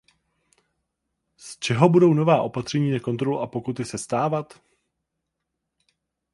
Z čeho budou nová opatření na kontrolu a pokuty sestávat?